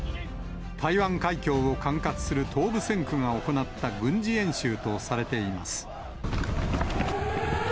台湾海峡を管轄する東部戦区が行った軍事演習とされています。